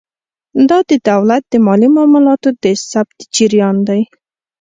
دا د دولت د مالي معاملاتو د ثبت جریان دی.